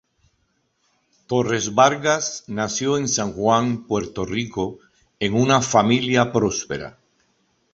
Torres Vargas nació en San Juan, Puerto Rico, en una familia próspera.